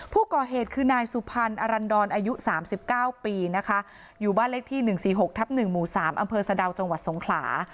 ผู้ก่อเหตุคือนายสุพรรณอรันดรอายุ๓๙ปีนะคะอยู่บ้านเลขที่๑๔๖ทับ๑หมู่๓อำเภอสะดาวจังหวัดสงขลา